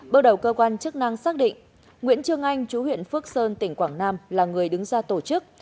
bước đầu cơ quan chức năng xác định nguyễn trương anh chú huyện phước sơn tỉnh quảng nam là người đứng ra tổ chức